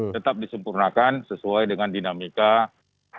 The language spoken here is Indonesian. tetap disempurnakan sesuai dengan dinamika